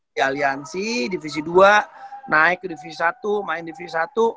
di aliansi divisi dua naik ke divisi satu main divisi satu